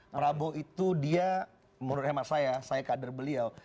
prabowo itu dia menurut hemat saya saya kader beliau